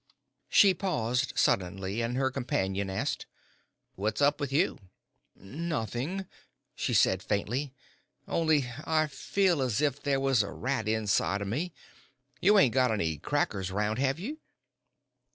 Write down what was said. '" She paused suddenly, and her companion asked, "What's up with you?" "Nothin'," she said, faintly, "only I feel as if there was a rat inside o' me. You ain't got any crackers round, have you?"